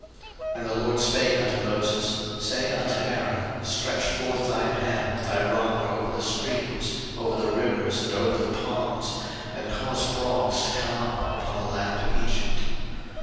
02:008:005 And the LORD spake unto Moses, Say unto Aaron, Stretch forth thine hand with thy rod over the streams, over the rivers, and over the ponds, and cause frogs to come up upon the land of Egypt.